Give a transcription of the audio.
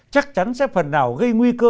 chắc chắn sẽ phần nào gây nguy cơ